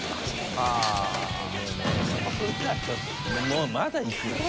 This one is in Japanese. もうまだいく？